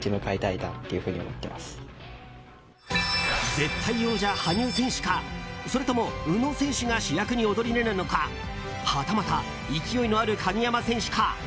絶対王者・羽生選手かそれとも宇野選手が主役に躍り出るのかはたまた、勢いのある鍵山選手か。